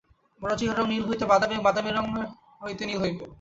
বড়জোর ইহার রঙ নীল হইতে বাদামী এবং বাদামী রঙ হইতে নীল হইবে।